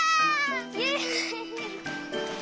イエイ！